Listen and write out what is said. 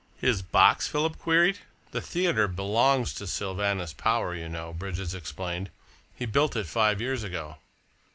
"His box?" Philip queried. "The theatre belongs to Sylvanus Power, you know," Bridges explained. "He built it five years ago."